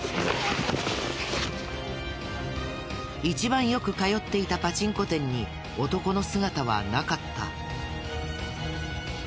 一番よく通っていたパチンコ店に男の姿はなかった。